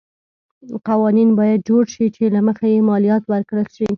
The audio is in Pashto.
قوانین باید جوړ شي چې له مخې یې مالیات ورکړل شي.